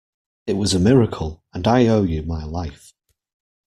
It was a miracle, and I owe you my life.